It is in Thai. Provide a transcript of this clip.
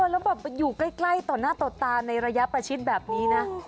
แล้วแบบอยู่ใกล้ต่อหน้าต่อตาในระยะประชิดแบบนี้นะ